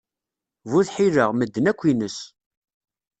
Bu tḥila, medden akk ines.